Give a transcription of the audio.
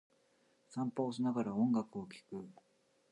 散歩をしながら、音楽を聴く。